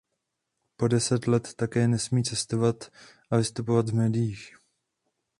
Po deset let také nesmí cestovat a vystupovat v médiích.